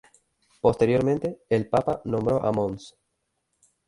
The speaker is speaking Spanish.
Posteriormente, el Papa nombró a mons.